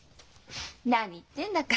何言ってんだか。